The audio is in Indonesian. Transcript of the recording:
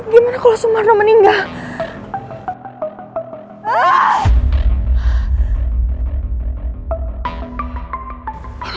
gimana kalau sumarno meninggal